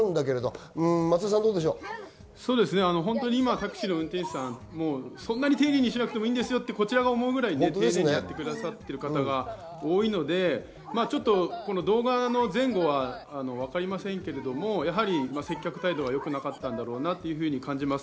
タクシーの運転手さん、そんなに丁寧にしなくてもいいんですよとこちらが思うくらいやってくださってる方が多いので、動画の前後はわかりませんけれども、接客態度は良くなかったんだろうなと感じます。